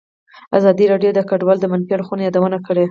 ازادي راډیو د کډوال د منفي اړخونو یادونه کړې.